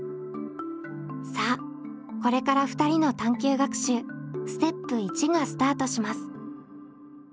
さあこれから２人の探究学習ステップ１がスタートします。